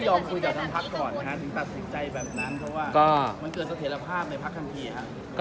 ถึงตัดสินใจแบบนั้นเพราะว่าก็มันเกิดสถิตภาพในพักทางทีครับ